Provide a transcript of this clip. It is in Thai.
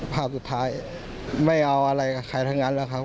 ภาพสุดท้ายไม่เอาอะไรกับใครทั้งนั้นแล้วครับ